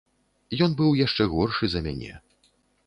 Ён быў яшчэ горшы за мяне.